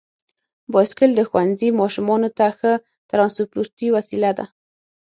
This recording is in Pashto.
بایسکل د ښوونځي ماشومانو ته ښه ترانسپورتي وسیله ده.